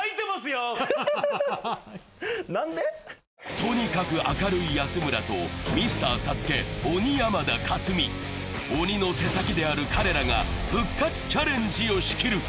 とにかく明るい安村とミスターＳＡＳＵＫＥ・鬼山田勝己、鬼の手先である彼らが復活チャレンジを仕切る。